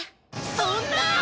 そんな！